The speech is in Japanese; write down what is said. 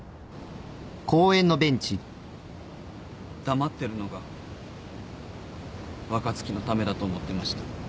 黙ってるのが若槻のためだと思ってました。